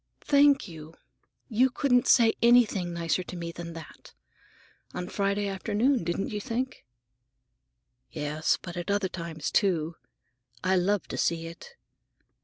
"Thank you. You couldn't say anything nicer to me than that. On Friday afternoon, didn't you think?" "Yes, but at other times, too. I love to see it.